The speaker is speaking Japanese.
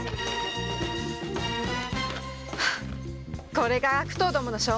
これが悪党どもの証文か。